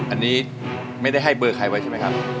อันนี้ไม่ได้ให้เบอร์ใครไว้ใช่ไหมครับ